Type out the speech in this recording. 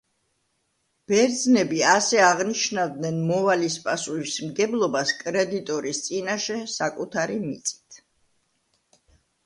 ბერძნები ასე აღნიშნავდნენ მოვალის პასუხისმგებლობას კრედიტორის წინაშე საკუთარი მიწით.